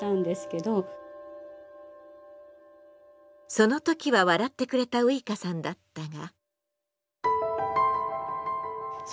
そのときは笑ってくれたういかさんだったが。